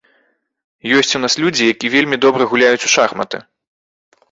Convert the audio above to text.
Ёсць у нас людзі, які вельмі добра гуляюць у шахматы.